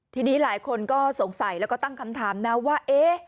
ทีนี้หลายคนก็สงสัยแล้วก็ตั้งคำถามนะว่า